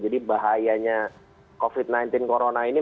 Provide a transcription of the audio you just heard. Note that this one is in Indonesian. jadi bahayanya covid sembilan belas corona ini